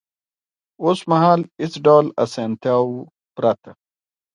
اوس مهال له هېڅ ډول اسانتیاوو پرته